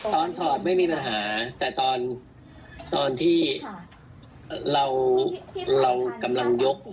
สอบไม่มีปัญหาแต่ตอนที่เรากำลังยก